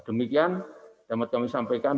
demikian damai kami sampaikan